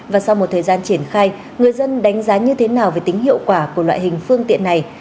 và sau một thời gian triển khai người dân đánh giá như thế nào về tính hiệu quả của loại hình phương tiện này